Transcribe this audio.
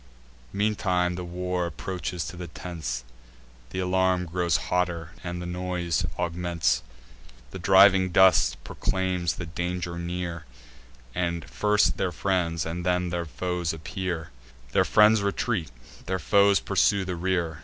Meantime the war approaches to the tents; Th' alarm grows hotter, and the noise augments: The driving dust proclaims the danger near; And first their friends, and then their foes appear: Their friends retreat; their foes pursue the rear.